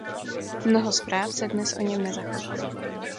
Mnoho zpráv se dnes o něm nezachovalo.